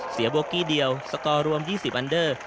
โบกี้เดียวสกอร์รวม๒๐อันเดอร์